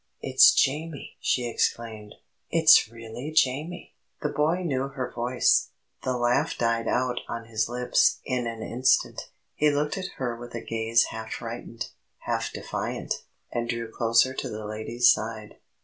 "It's Jamie!" she exclaimed. "It's really Jamie!" The boy knew her voice; the laugh died out on his lips in an instant; he looked at her with a gaze half frightened, half defiant, and drew closer to the lady's side.